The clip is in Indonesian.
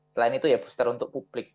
selain itu ya booster untuk publik